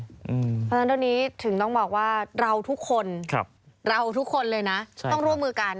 เพราะฉะนั้นเท่านี้ถึงต้องบอกว่าเราทุกคนเราทุกคนเลยนะต้องร่วมมือกัน